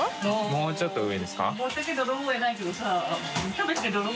もうちょっと上ですか？